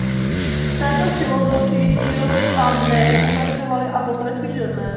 V této filozofii výroby Palm Bay pokračovali a pokračují dodnes.